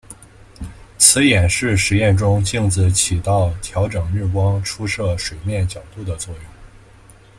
此演示实验中镜子起到调整日光出射水面角度的作用。